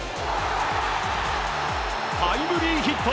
タイムリーヒット！